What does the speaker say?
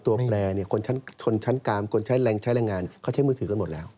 ตัวแปรเนี่ยคนชั้นกรรมคนใช้แรงงานเขาใช้มือถือกันหมดแล้ว